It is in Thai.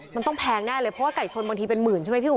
มันต้องแพงแน่เลยเพราะว่าไก่ชนบางทีเป็นหมื่นใช่ไหมพี่อุ